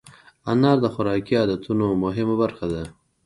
انار د خوراکي عادتونو مهمه برخه ده.